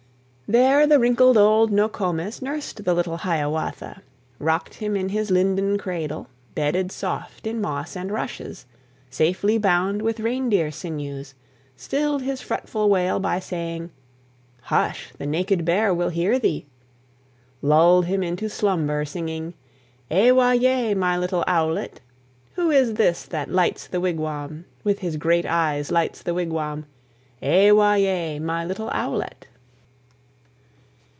There the wrinkled old Nokomis Nursed the little Hiawatha, Rocked him in his linden cradle, Bedded soft in moss and rushes, Safely bound with reindeer sinews; Stilled his fretful wail by saying, "Hush! the Naked Bear will hear thee!" Lulled him into slumber, singing, "Ewa yea! my little owlet! Who is this that lights the wigwam? With his great eyes lights the wigwam? Ewa yea! my little owlet!"